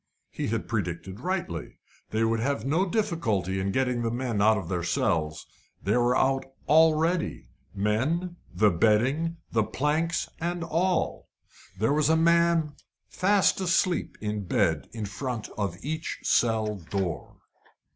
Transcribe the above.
He had predicted rightly. They would have no difficulty in getting the men out of their cells: they were out already men, and bedding, and planks, and all. There was a man fast asleep in bed in front of each cell door.